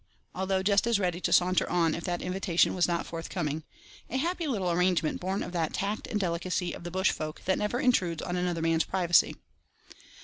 although just as ready to saunter on if that invitation was not forthcoming—a happy little arrangement born of that tact and delicacy of the bush folk that never intrudes on another man's privacy.